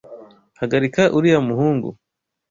Hagarika uriya muhungu